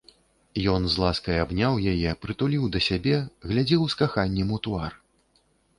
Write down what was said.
Ён з ласкай абняў яе, прытуліў да сябе, глядзеў з каханнем у твар.